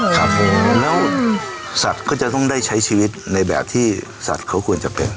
ครับผมแล้วสัตว์ก็จะต้องได้ใช้ชีวิตในแบบที่สัตว์เขาควรจะเป็น